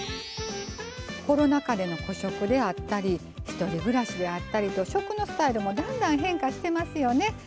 コロナ禍での個食であったり１人暮らしであったりと食のスタイルもだんだん変化してますよね。